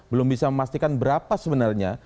belum bisa memastikan berapa sebenarnya